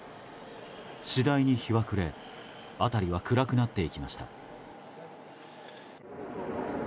次第に日は暮れ辺りは暗くなっていきました。